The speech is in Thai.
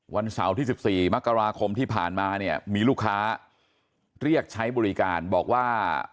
วันเสาร์ที่๑๔มกราคมที่ผ่านมาเนี่ยมีลูกค้าเรียกใช้บริการบอกว่า